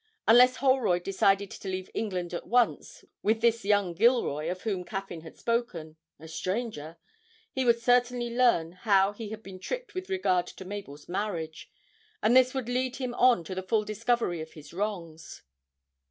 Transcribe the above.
Unless Holroyd decided to leave England at once with this young Gilroy of whom Caffyn had spoken a stranger he would certainly learn how he had been tricked with regard to Mabel's marriage, and this would lead him on to the full discovery of his wrongs.